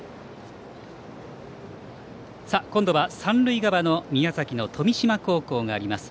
今度は三塁側の宮崎の富島高校があります